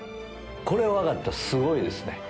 これ分かったらすごいですね。